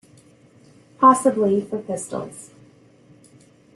Possibly for pistols.